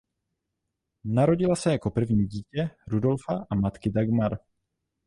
Narodila se jako první dítě Rudolfa a matky Dagmar.